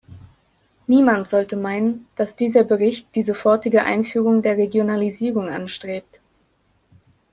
Niemand sollte meinen, dass dieser Bericht die sofortige Einführung der Regionalisierung anstrebt.